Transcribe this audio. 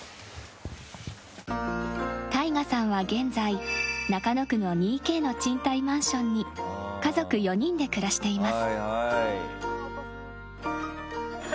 ＴＡＩＧＡさんは現在中野区の２Ｋの賃貸マンションに家族４人で暮らしています。